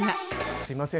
すいません